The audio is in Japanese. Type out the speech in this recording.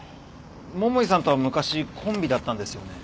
桃井さんとは昔コンビだったんですよね？